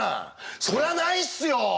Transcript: そりゃないっすよ。